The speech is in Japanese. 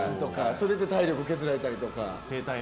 それで体力削られたりとか。